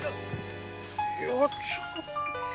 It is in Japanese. いやちょっと。